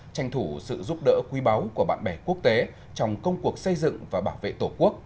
tranh thủ sự giúp đỡ quý báu của bạn bè quốc tế trong công cuộc xây dựng và bảo vệ tổ quốc